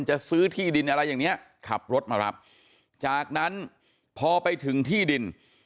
จะซื้อที่ดินอะไรอย่างเนี้ยขับรถมารับจากนั้นพอไปถึงที่ดิน